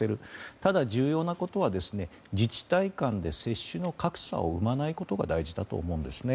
ただ、重要なことは自治体間で接種の格差を生まないことが大事だと思います。